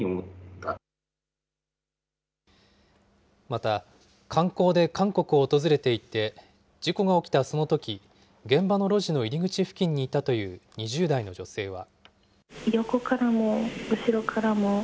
また、観光で韓国を訪れていて、事故が起きたそのとき、現場の路地の入り口付近にいたという２０代の女性は。